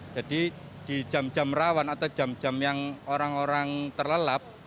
jadi di jam jam rawan atau jam jam yang orang orang terlelap